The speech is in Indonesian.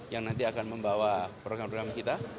yang nanti akan membawa program program kita